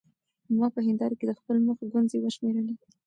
ما په هېنداره کې د خپل مخ ګونځې وشمېرلې.